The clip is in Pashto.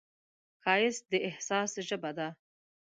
ښایست د احساس ژبه ده